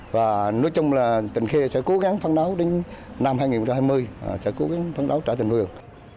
và nói chung là tỉnh khê sẽ cố gắng phán đấu đến năm hai nghìn hai mươi sẽ cố gắng phấn đấu trở thành vườn